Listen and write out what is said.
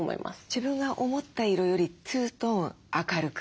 自分が思った色より２トーン明るく？